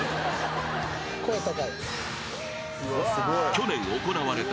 ［去年行われた］